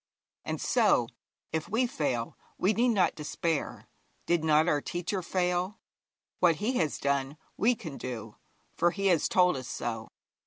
And so, if we fail, we need not despair. Did not our teacher fail? What he has done, we can do, for he has told us so.